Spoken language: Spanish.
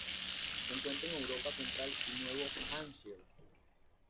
Se encuentra en Europa Central y Nuevo Hampshire.